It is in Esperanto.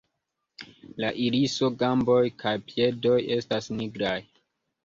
La iriso, gamboj kaj piedoj estas nigraj.